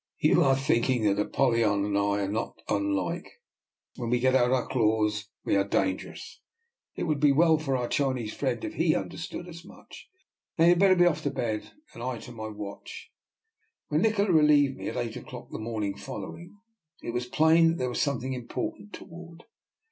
You are thinking that Apollyon and I are not unlike. When we get out our claws we are dangerous. It would be well for our Chinese friend if he understood as much. Now you had better be off to bed, and I to my watch." When Nikola relieved me at eight o'clock the morning following, it was plain that there was something important toward.